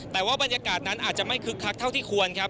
แต่ว่าบรรยากาศนั้นอาจจะไม่คึกคักเท่าที่ควรครับ